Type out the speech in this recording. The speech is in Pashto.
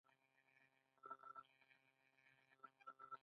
سوداګر پانګوالو ته د زیاتو توکو سپارښتنه کوي